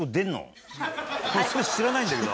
俺それ知らないんだけど。